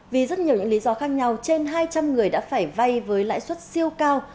vì rất nhiều những lý do khác nhau trên hai trăm linh người đã phải vay với lãi suất siêu cao